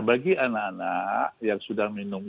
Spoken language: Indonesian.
bagi anak anak yang sudah minum